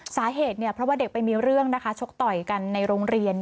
สาเหตุเพราะว่าเด็กไปมีเรื่องชกต่อยกันในโรงเรียน